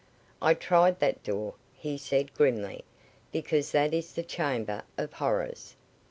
"I tried that door," he said grimly, "because that is the chamber of horrors."